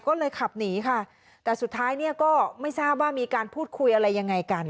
ก็เลยขับหนีค่ะแต่สุดท้ายเนี่ยก็ไม่ทราบว่ามีการพูดคุยอะไรยังไงกัน